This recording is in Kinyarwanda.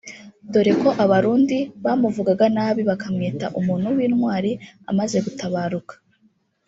dore ko abarundi bamuvugaga nabi bakamwita umuntu w’intwari amaze gutabaruka